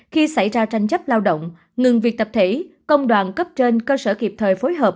khi xảy ra tranh chấp lao động ngừng việc tập thể công đoàn cấp trên cơ sở kịp thời phối hợp